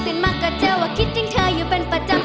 ตื่นมากต์ก็เจอว่าคิดดังเธออยู่เป็นประจำ